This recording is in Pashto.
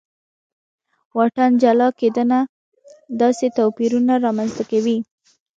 واټن جلا کېدنه داسې توپیرونه رامنځته کوي.